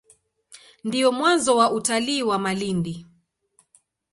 Ndio mwanzo wa utalii wa Malindi.